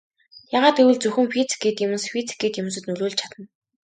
Яагаад гэвэл зөвхөн физик эд юмс физик эд юмсад нөлөөлж чадна.